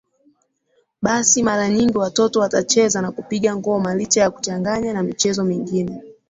basi mara nyingi watoto watacheza na kupiga ngoma licha ya kuchanganya na michezo mingine